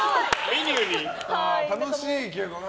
楽しいけどな。